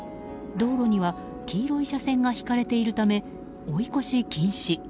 道路には黄色い車線が引かれているため追い越し禁止。